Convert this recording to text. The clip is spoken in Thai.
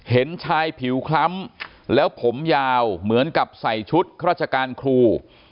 เห็นชายผิวคล้ำแล้วผมยาวเหมือนกับใส่ชุดราชการครู